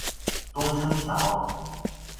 東昇橋